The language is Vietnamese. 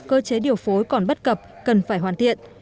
cơ chế điều phối còn bất cập cần phải hoàn thiện